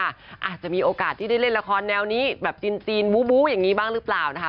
อาจจะมีโอกาสที่ได้เล่นละครแนวนี้แบบจีนบูอย่างนี้บ้างหรือเปล่านะคะ